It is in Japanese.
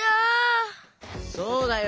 そうだよ。